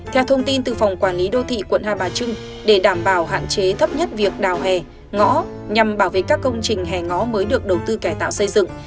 theo thông tin từ phòng quản lý đô thị quận hai bà trưng để đảm bảo hạn chế thấp nhất việc đào hè ngõ nhằm bảo vệ các công trình hè ngó mới được đầu tư cải tạo xây dựng